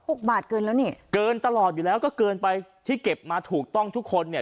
บาทเกินแล้วนี่เกินตลอดอยู่แล้วก็เกินไปที่เก็บมาถูกต้องทุกคนเนี่ย